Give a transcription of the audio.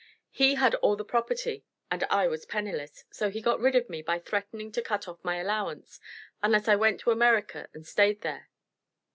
He had all the property and I was penniless, so he got rid of me by threatening to cut off my allowance unless I went to America and stayed there."